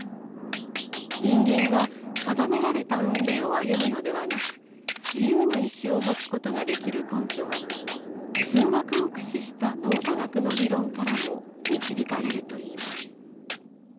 人間が定められた運命を歩むのではなく自由な意志を持つことができる根拠は数学を駆使した脳科学の理論からも導かれるといいます。